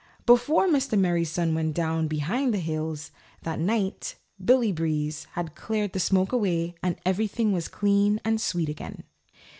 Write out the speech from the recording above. Before Mr. Merry Sun went down behind the hills that night Billy Breeze had cleared the smoke away and everything was clean and sweet again.